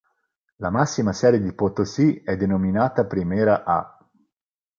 La massima serie di Potosí è denominata Primera "A".